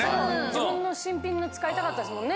自分の新品の使いたかったんですもんね